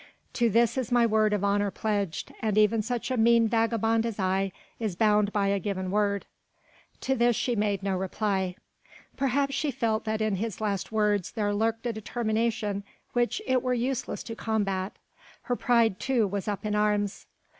To this is my word of honour pledged and even such a mean vagabond as I is bound by a given word." To this she made no reply. Perhaps she felt that in his last words there lurked a determination which it were useless to combat. Her pride too was up in arms.